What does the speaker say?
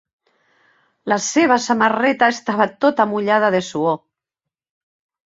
La seva samarreta estava tota mullada de suor.